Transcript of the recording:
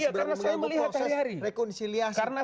seberapa mengganggu proses rekonsiliasi proses rujuk